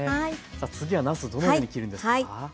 次はなすどのように切るんですか？